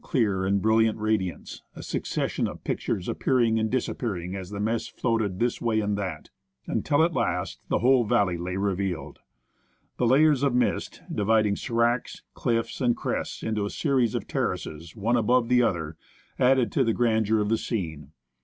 136 NEWTON GLACIER and brilliant radiance, a succession of pictures appearing and dis appearing as the mists floated this way or that, until at last the whole valley lay revealed. The layers of mist, dividing sdracs, cliffs, and crests into a series of terraces one above the other, added to the grandeur of the scene.